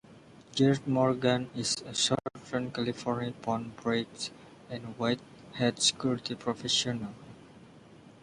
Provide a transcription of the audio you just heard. Jered Morgan, is a Southern California phone phreak and white hat security professional.